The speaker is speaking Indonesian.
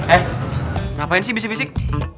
eh ngapain sih bisik bisik